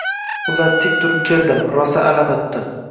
Xullas, tik turib keldim, rosa alam oʻtdi.